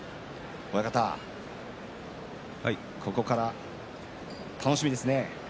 親方、ここから楽しみですね。